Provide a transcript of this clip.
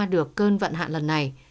được cơn vận hạn lần này